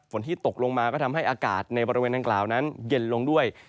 ที่ตกลงมาก็ทำให้อากาศในบริเวณดังกล่าวนั้นเย็นลงด้วย